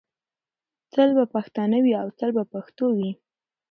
تل به پښتانه وي او تل به پښتو وي.